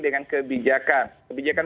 dengan kebijakan kebijakan